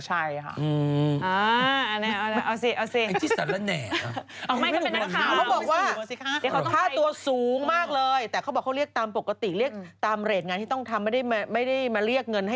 อันนี้แบบมหาชัยค่ะเอาสิอ๋อไม่รู้ว่าวันนี้ไม่สูงสิค่ะ